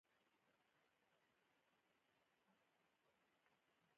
د ښار په لوړو او ژورو کوڅو کې قدم ووهم.